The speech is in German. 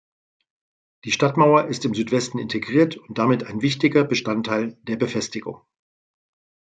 Die Stadtmauer ist im Südwesten integriert und damit ein wichtiger Bestandteil der Befestigung.